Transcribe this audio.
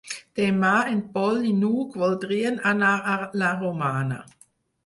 Demà en Pol i n'Hug voldrien anar a la Romana.